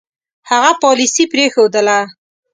هغه پالیسي پرېښودله.